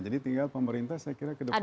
jadi tinggal pemerintah saya kira ke depannya